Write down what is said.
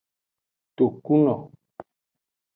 Tokuno.